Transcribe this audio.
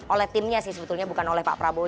oleh timnya sih sebetulnya bukan oleh pak prabowo